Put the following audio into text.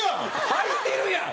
はいてるやん！